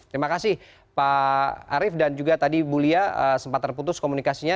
terima kasih pak arief dan juga tadi bu lia sempat terputus komunikasinya